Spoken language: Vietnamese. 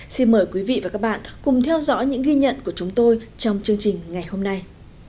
xin mời quý vị và các bạn cùng theo dõi những ghi nhận của chúng tôi trong chương trình ngày hôm nay